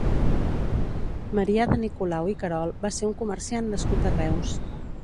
Marià de Nicolau i Querol va ser un comerciant nascut a Reus.